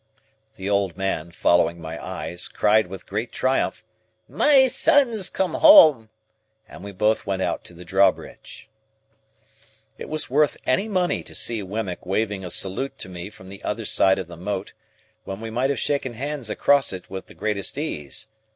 The old man, following my eyes, cried with great triumph, "My son's come home!" and we both went out to the drawbridge. It was worth any money to see Wemmick waving a salute to me from the other side of the moat, when we might have shaken hands across it with the greatest ease.